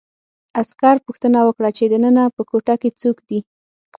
عسکر پوښتنه وکړه چې دننه په کوټه کې څوک دي